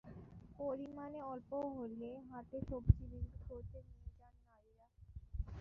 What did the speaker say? পরিমাণে অল্প হলে হাটে সবজি বিক্রি করতে নিয়ে যান নারীরা।